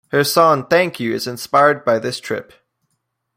Her song "Thank You" is inspired by this trip.